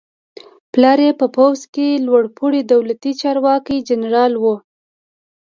پلار یې په پوځ کې لوړ پوړی دولتي چارواکی جنرال و.